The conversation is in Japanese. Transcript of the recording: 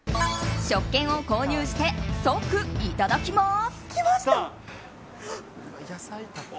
食券を購入して即いただきます！